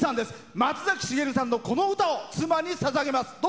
松崎しげるさんのこの歌を妻にささげます。